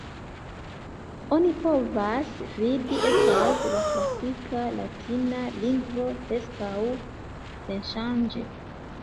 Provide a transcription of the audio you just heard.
Oni povas vidi, estas la klasika latina lingvo preskaŭ senŝanĝe.